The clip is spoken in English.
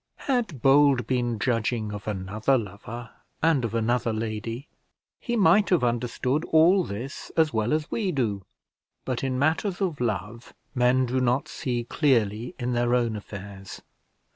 Had Bold been judging of another lover and of another lady, he might have understood all this as well as we do; but in matters of love men do not see clearly in their own affairs.